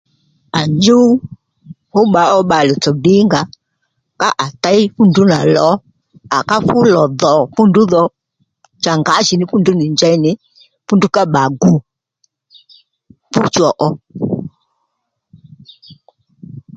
À njúw fú bba ó bbalè tsò ddìnga ó ka à těy fúndrú nà lò à ká fú lò dhò fúndrú dho cha ngǎjìní fúndrú nì njěy nì fúndrú ka bba gu fú cho ó